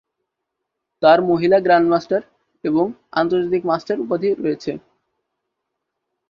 তার মহিলা গ্র্যান্ডমাস্টার এবং আন্তর্জাতিক মাস্টার উপাধি রয়েছে।